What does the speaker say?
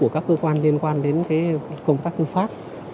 của các cơ quan liên quan đến công tác tư pháp